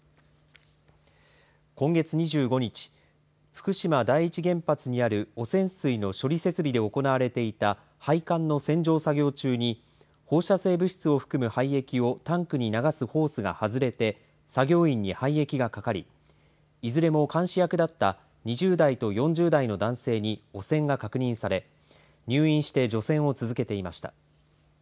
今月２５日福島第一原発にある汚染水の処理設備で行われていた配管の洗浄作業中に放射性物質を含む廃液をタンクに流すホースが外れて作業員に廃液がかかりいずれも監視役だった２０代と４０代の男性に汚染が確認され入院して除染を続けていました。